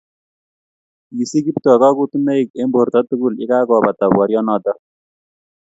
kisich Kiptoo kakotunoik eng borto tugul yekakoobata boryonoto